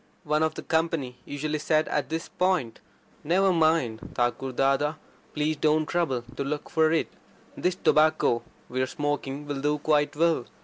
One of the company usually said at this point: "Never mind, Thakur Dada. Please don't trouble to look for it. This tobacco we're smoking will do quite well.